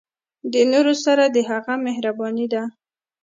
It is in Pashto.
د نورو سره د هغه مهرباني ده.